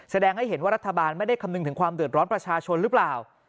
แสดงให้เห็นว่ารัฐบาลไม่ได้คำนึงถึงความเดือดร้อนประชาชนหรือเปล่า